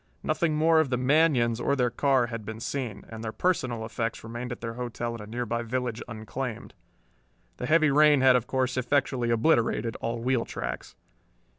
Nothing more of the Manions or their car had been seen, and their personal effects remained at their hotel in a nearby village unclaimed. The heavy rain had of course effectually obliterated all wheel tracks.